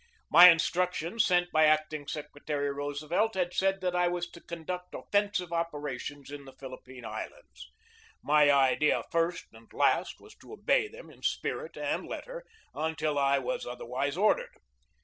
My instructions sent by Acting Secretary Roose velt had said that I was to conduct offensive opera tions in the Philippine Islands. My idea first and last was to obey them in spirit and letter until I was otherwise ordered.